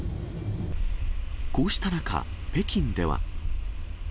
こうした中、北京では。